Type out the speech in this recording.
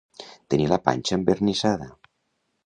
Tenir la panxa envernissada.